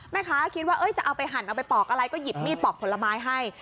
แม่ค้าคิดว่าจะเอาไปหั่นเอาไปปอกอะไรก็หยิบมีดปอกผลไม้ให้